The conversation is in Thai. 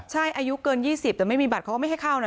ใช่อายุเกิน๒๐แต่ไม่มีบัตรเขาก็ไม่ให้เข้านะ